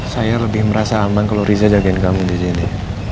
saya lebih merasa aman kalo riza jagain kamu disini